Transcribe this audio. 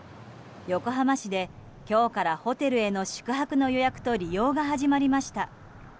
横浜市で今日からホテルへの宿泊の予約と利用が始まりました。